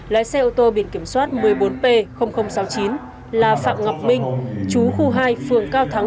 lái xe ô tô biển kiểm soát một mươi bốn p sáu mươi chín là phạm ngọc minh chú khu hai phường cao thắng